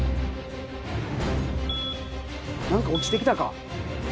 何か落ちてきたか。